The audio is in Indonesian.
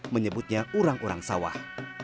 menyebutnya urang urang sawah